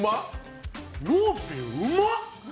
ローピン、うまっ！